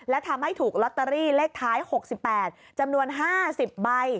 และทำให้ถูกลอตเตอรี่เลขท้าย๖๘จำนวน๕๐ใบ